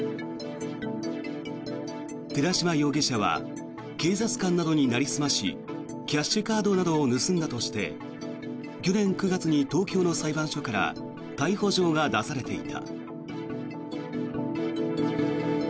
寺島容疑者は警察官などになりすましキャッシュカードなどを盗んだとして去年９月に東京の裁判所から逮捕状が出されていた。